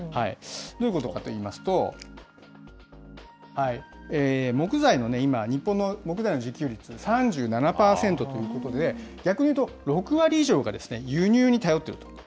どういうことかといいますと、木材の今、日本の木材の自給率３７％ということで、逆にいうと６割以上が輸入に頼っている。